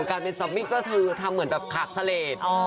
การเป็นสมมิตรคือขักเจ้าเวท